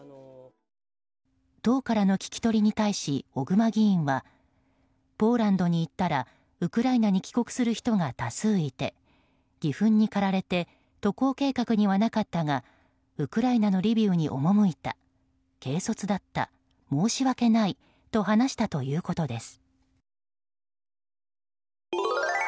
党からの聞き取りに対し小熊議員はポーランドに行ったらウクライナに帰国する人が多数いて義憤に駆られて渡航計画にはなかったがウクライナのリビウに赴いた軽率だった、申し訳ないと話したということです。